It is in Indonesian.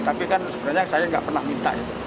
tapi kan sebenarnya saya nggak pernah minta itu